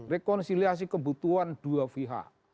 rekonsiliasi kebutuhan dua pihak